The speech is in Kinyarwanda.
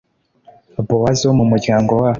bowazi wo mu muryango wa…